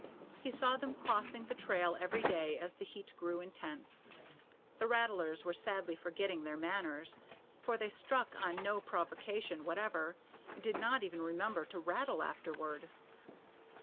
He saw them crossing the trail every day as the heat grew intense. The rattlers were sadly forgetting their manners, for they struck on no provocation whatever, and did not even remember to rattle afterward.